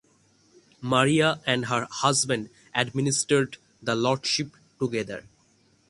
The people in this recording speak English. Maria and her husband administered the lordship together.